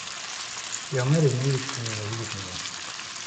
И она ревнует и ненавидит меня.